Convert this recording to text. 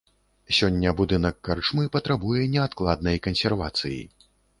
Сёння будынак карчмы патрабуе неадкладнай кансервацыі.